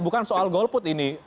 bukan soal golput ini